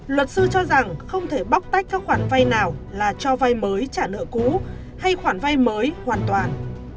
luật sư cho rằng không thể bóc tách các khoản vay nào là cho vay mới trả nợ cũ hay khoản vay mới hoàn toàn